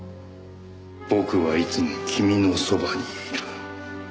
「僕はいつも君の傍にいる」